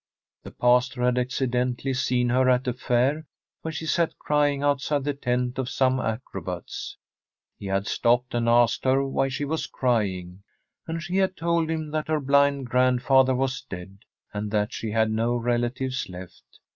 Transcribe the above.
The pastor had accidentally seen her at a fair, where she sat crying outside the tent of some acrobats. He had stopped and asked her why she was crying, and she had told him that her blind grandfather was dead, and that she had no relatives left.